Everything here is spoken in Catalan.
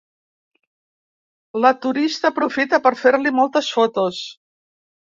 La turista aprofita per fer-li moltes fotos.